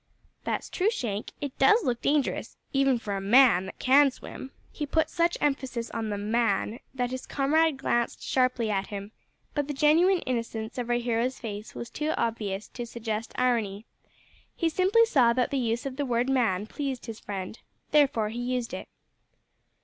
"That's true, Shank; it does look dangerous, even for a man that can swim." He put such emphasis on the "man" that his comrade glanced sharply at him, but the genuine innocence of our hero's face was too obvious to suggest irony. He simply saw that the use of the word man pleased his friend, therefore he used it.